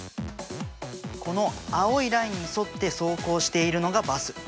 この青いラインに沿って走行しているのがバス。